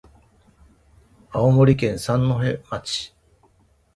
青森県三戸町